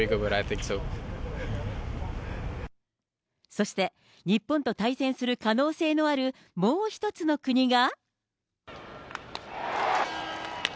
そして、日本と対戦する可能性のあるもう一つの国が。